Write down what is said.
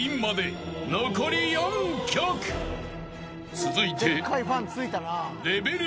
［続いて］